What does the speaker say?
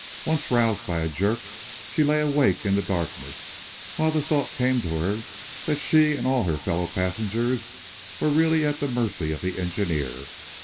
Once, roused by a jerk, she lay awake in the darkness while the thought came to her that she and all her fellow passengers were really at the mercy of the engineer.